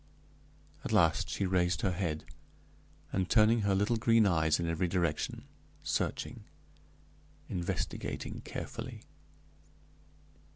At last she raised her head, and turned her little green eyes in every direction, searching, investigating carefully.